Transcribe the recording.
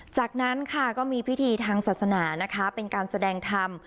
จากนั้นค่ะก็มีพิธีทางศาสนานะคะเป็นการแสดงธรรม